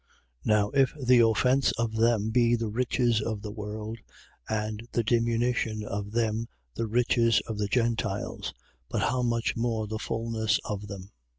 Now if the offence of them be the riches of the world and the diminution of them the riches of the Gentiles: how much more the fulness of them?